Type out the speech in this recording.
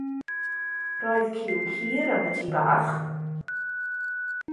Roedd ciw hir am y tŷ bach.